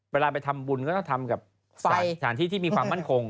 เวลาไปทำบุญก็ต้องทำกับสถานที่ที่มีความมั่นคง